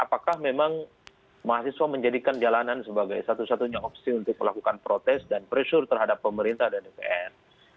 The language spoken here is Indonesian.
apakah memang mahasiswa menjadikan jalanan sebagai satu satunya opsi untuk melakukan protes dan pressure terhadap pemerintah dan dpr